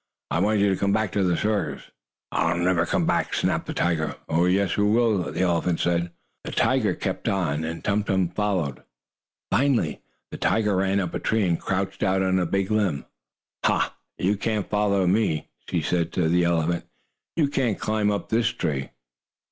"I want you to come back to the circus." "I'll never come!" snapped the tiger. "Oh, yes, you will," the elephant said. The tiger kept on, and Tum Tum followed. Finally the tiger ran up a tree and crouched out on a big limb. "Ha! Now you can't follow me!" she said to the elephant. "You can't climb up this tree!"